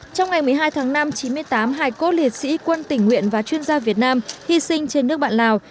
trong ngày một mươi hai tháng năm chín mươi tám hải cốt liệt sĩ quân tỉnh nguyện và chuyên gia việt nam hy sinh trên nước bạn lào